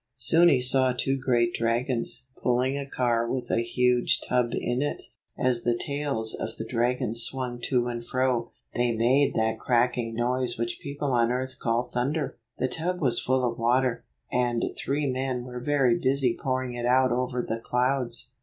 Soon he saw two great dragons, pulling a car with a large tub in it. As the tails of the dragons swung to and fro, they made that cracking noise which people on the earth call thunder. The tub was full of water, and three men were very busy pouring it out over the clouds.